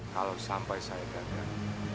kalau sampai saya gagal